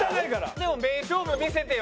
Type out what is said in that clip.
でも名勝負見せてよ